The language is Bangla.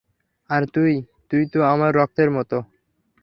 আর তুই, তুইতো আমার রক্তের মতো।